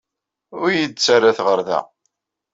Ur iyi-d-ttarrat ɣer da!